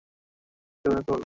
একটু অপেক্ষা করতে বল।